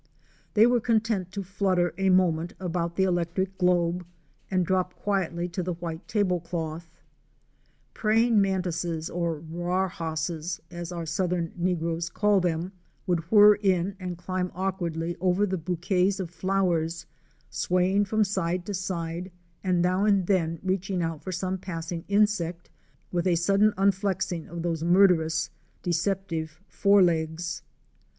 They were content to flutter a moment about the electric globe and drop quietly to the white table " as our southern negroes call them, would whirr in and climb awkwardly over cloth. Praying mantises, or " rar hosses the bouquets of flowers, swaying from side to side and now and then reaching out for some passing insect, with a sudden unflexing of those murderous, deceptive fore legs.